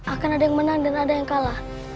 akan ada yang menang dan ada yang kalah